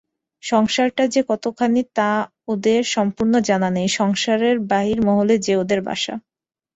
সংসারটা যে কতখানি তা ওদের সম্পূর্ণ জানা নেই, সংসারের বাহির-মহলে যে ওদের বাসা।